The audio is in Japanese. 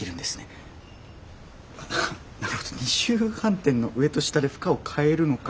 なるほど二重反転の上と下で負荷を変えるのか。